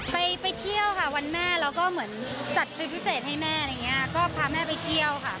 ไปไปเที่ยวค่ะวันแม่แล้วก็เหมือนจัดทริปพิเศษให้แม่อะไรอย่างเงี้ยก็พาแม่ไปเที่ยวค่ะ